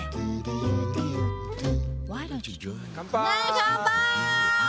乾杯！